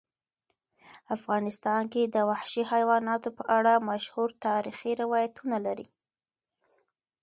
افغانستان د وحشي حیواناتو په اړه مشهور تاریخی روایتونه لري.